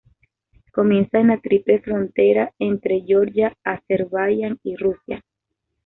Comienza en la triple frontera entre Georgia, Azerbaiyán y Rusia.